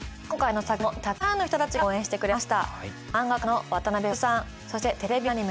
今回の作品もたくさんの人たちが応援してくれました。